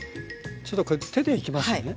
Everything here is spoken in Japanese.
ちょっとこれ手でいきますね。